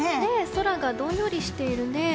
空がどんよりしているね。